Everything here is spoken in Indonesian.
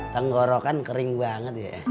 tenggorokan kering banget ya